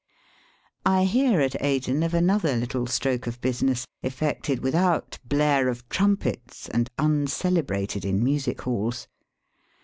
I hear at Aden of another little stroke of business affected without blare of trumpets, and uncelebrated in music halls.